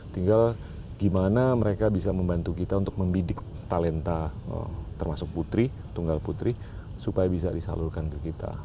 tinggal gimana mereka bisa membantu kita untuk membidik talenta termasuk putri tunggal putri supaya bisa disalurkan ke kita